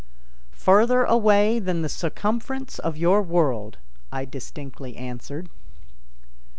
"Farther away than the circumference of your world," I distinctly answered.